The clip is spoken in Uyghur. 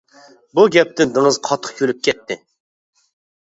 بۇ گەپتىن دېڭىز قاتتىق كۈلۈپ كەتتى.